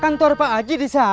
kantor pak haji di sana